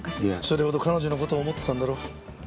いやそれほど彼女の事を思ってたんだろう。